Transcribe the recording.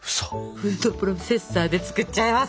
フードプロセッサーで作っちゃいます！